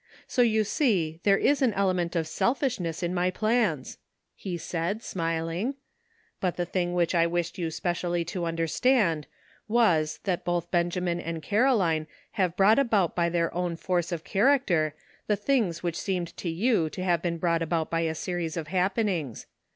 So you see there is an element of selfishness in my plans," he added, smiling. *'But the thing which I wished you specially to understand, was, that both Benjamin and Caroline have brought about by their own force of character the things which seemed to you to have been brought about by a series of happenings.